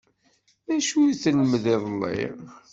D acu i telmd iḍelli?